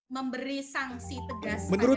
memberi sanksi tegas